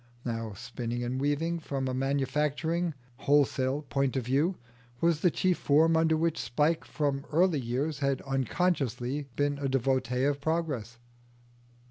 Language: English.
Now spinning and weaving from a manufacturing, wholesale point of view, was the chief form under which Spike from early years had unconsciously been a devotee of Progress.